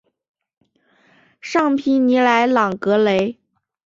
尚皮尼莱朗格雷。